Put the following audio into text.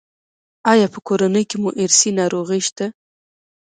ایا په کورنۍ کې مو ارثي ناروغي شته؟